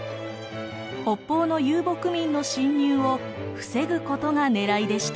北方の遊牧民の侵入を防ぐことがねらいでした。